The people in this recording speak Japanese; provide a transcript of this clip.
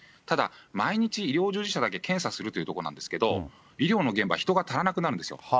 ただ、毎日、医療従事者だけ検査するというところなんですけど、医療の現場、人が足らなくなるんですよ。